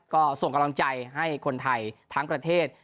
ก็ส่งกำลังใจให้คนไทยทั้งประเทศ